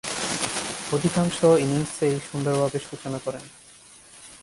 অধিকাংশ ইনিংসেই সুন্দরভাবে সূচনা করেন।